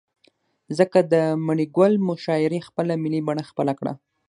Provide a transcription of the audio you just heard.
ځكه د مڼې گل مشاعرې خپله ملي بڼه خپله كړه.